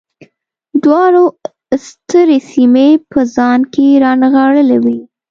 دواړو سترې سیمې په ځان کې رانغاړلې وې.